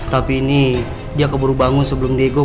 tapi ini dia keburu bangun sebelum diego